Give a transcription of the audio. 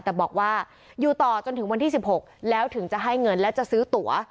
แต่บอกว่าอยู่ต่อจนถึงวันที่๑๖แล้วถึงจะให้เงินและจะซื้อตัว